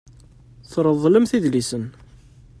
Treḍḍlemt idlisen.